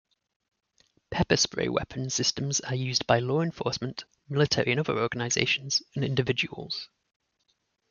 Pepper-spray weapons systems are used by law enforcement, military and other organizations, and individuals.